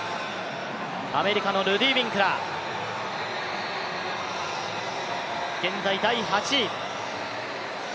アメリカのルディー・ウィンクラー現在第８位。